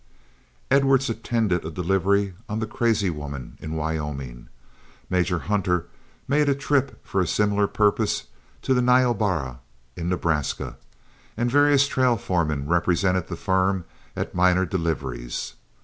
Edwards attended a delivery on the Crazy Woman in Wyoming, Major Hunter made a trip for a similar purpose to the Niobrara in Nebraska, and various trail foremen represented the firm at minor deliveries.